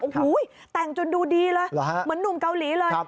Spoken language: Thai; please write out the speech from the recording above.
โอ้โหแต่งจนดูดีเลยเหมือนหนุ่มเกาหลีเลย